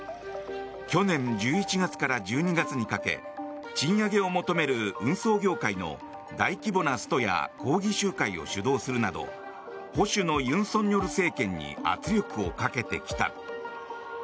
去年１１月から１２月にかけ賃上げを求める運送業界の大規模なストや抗議集会を主導するなど保守の尹錫悦政権に圧力をかけてきた。